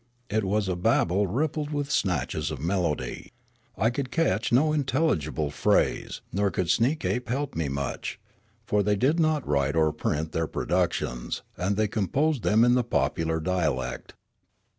It was a babel rippled with snatches of melody. I could catch no intelligible phrase, nor could Sneekape help me much ; for thej' did not write or print their pro ductions, and they composed them in the popular dialect.